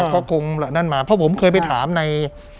ก็คงนั่นมาเพราะผมเคยไปถามใน